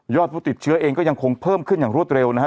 ผู้ติดเชื้อเองก็ยังคงเพิ่มขึ้นอย่างรวดเร็วนะฮะ